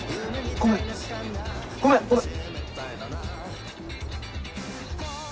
ごめんごめんごめん。